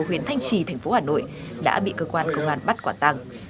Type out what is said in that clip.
huyện thanh trì thành phố hà nội đã bị cơ quan công an bắt quả tăng